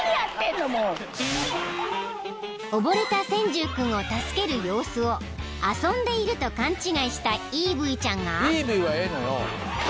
［溺れたセンジュウ君を助ける様子を遊んでいると勘違いしたイーブイちゃんが］